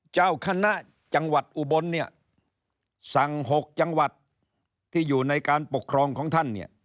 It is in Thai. เจ้าคณะจังหวัดอุบลเนี่ยสั่ง๖จังหวัดที่อยู่ในการปกครองของท่านเนี่ย